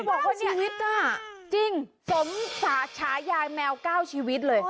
แล้วจะบอกว่านี้จริงสมศาชายายแมวเก้าชีวิตเลย